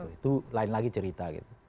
itu lain lagi cerita